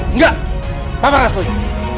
enggak papa gak setuju